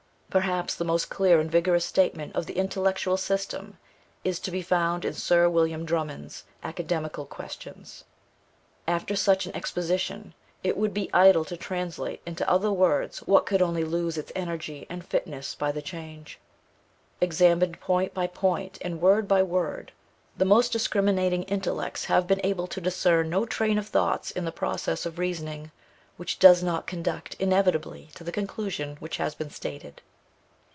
Perhaps the most clear and vigorous statement of the intellectual system is to be found in Sir William Drummond's Academical Questions. After such an exposition, it would be idle to translate into other words what could only lose its energy and fitness by the change. Examined point by point, and word by word, the most discriminating intellects have been able to discern no train of thoughts in the process of reasoning, which does not conduct inevitably to the conclusion which has been stated.